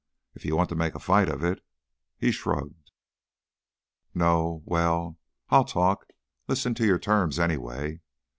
If you want to make a fight of it." He shrugged. "No! Well, I'll talk ... listen to your terms anyway.